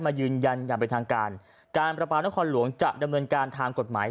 ยืนยันอย่างเป็นทางการการประปานครหลวงจะดำเนินการทางกฎหมาย